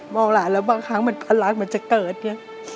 มองหลานแล้วบางครั้งมันพันล้านมันจะเกิดเนี่ย